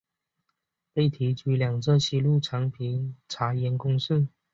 被提举两浙西路常平茶盐公事。